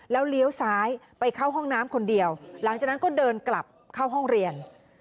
แล้วเลี้ยวซ้ายไปเข้าห้องน้ำคนเดียวหลังจากนั้นก็เดินกลับเข้าห้องเรียน